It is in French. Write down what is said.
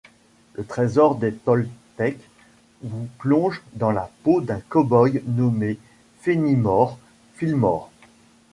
Le Trésor des Toltèques vous plonge dans la peau d'un cow-boy nommé Fenimore Fillmore.